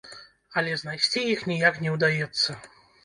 Але знайсці іх ніяк не ўдаецца.